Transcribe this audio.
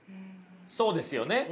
そうですよね。